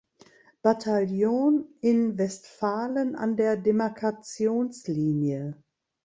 Bataillon in Westfalen an der Demarkationslinie.